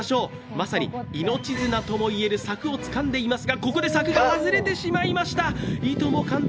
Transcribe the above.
まさに命綱とも言える柵をつかんでいますが、ここで柵が外れてしまいました。